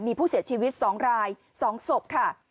มีผู้เสียชีวิต๒ราย๒ศพค่ะ